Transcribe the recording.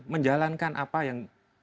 menjalankan apa yang